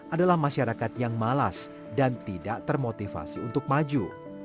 adalah masyarakat yang malas dan tidak termotivasi untuk maju